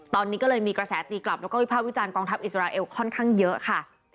ตอนนี้ก็เลยมีกระแสตีกลับแล้วก็วิภาควิจารณกองทัพอิสราเอลค่อนข้างเยอะค่ะ